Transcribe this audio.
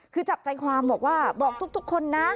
คือจับใจความบอกว่าบอกทุกคนนะ